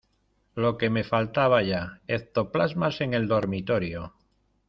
lo que me faltaba ya, ectoplasmas en el dormitorio.